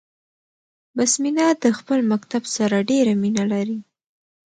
بسمينه د خپل مکتب سره ډيره مينه لري 🏫